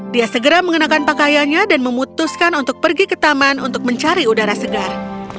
dia segera mengenakan pakaiannya dan memutuskan untuk pergi ke taman untuk mencari udara segar